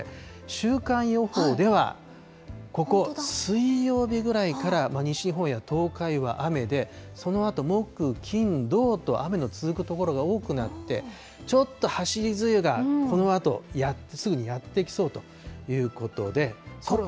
週間予報では、ここ水曜日ぐらいから、西日本や東海は雨で、そのあと木、金、土と雨の続くところが多くなって、ちょっと走り梅雨が、このあとすぐにやって来そうということで。